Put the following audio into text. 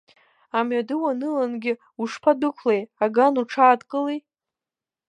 Амҩаду уанылангьы ушԥадәықәлеи, аган уҽаадкыли.